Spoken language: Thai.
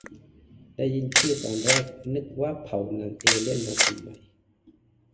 ได้ยินชื่อตอนแรก นึกว่าเผาหนังเอเลี่ยนมาทำใหม่